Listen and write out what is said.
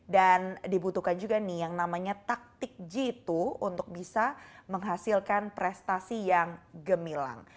dan dibutuhkan juga yang namanya taktik g dua untuk bisa menghasilkan prestasi yang gemilang